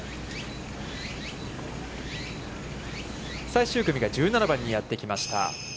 最終組が１７番にやってきました。